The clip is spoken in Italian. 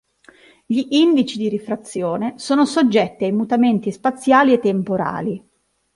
Gli indici di rifrazione sono soggetti ai mutamenti spaziali e temporali.